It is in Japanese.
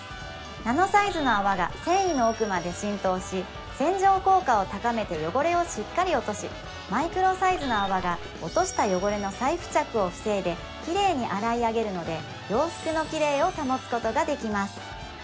ナノサイズの泡が繊維の奥まで浸透し洗浄効果を高めて汚れをしっかり落としマイクロサイズの泡が落とした汚れの再付着を防いできれいに洗い上げるので洋服のきれいを保つことができます